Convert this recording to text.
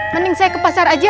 mending saya ke pasar aja